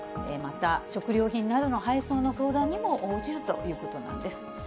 また、食料品などの配送の相談にも応じるということなんです。